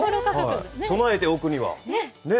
備えておくには。